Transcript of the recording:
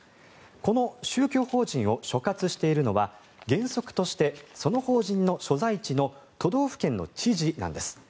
この宗教法人を所轄しているのは原則としてその法人の所在地の都道府県の知事なんです。